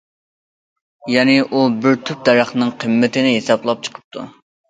يەنى ئۇ بىر تۈپ دەرەخنىڭ قىممىتىنى ھېسابلاپ چىقىپتۇ.